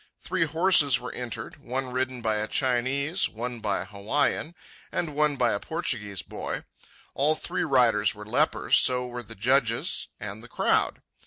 Three horses were entered, one ridden by a Chinese, one by an Hawaiian, and one by a Portuguese boy. All three riders were lepers; so were the judges and the crowd.